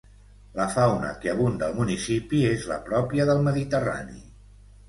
La fauna que abunda al municipi és la pròpia del mediterrani.